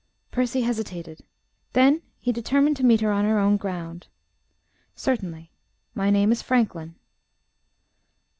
Percy hesitated. Then he determined to meet her on her own ground. "Certainly. My name is Franklin."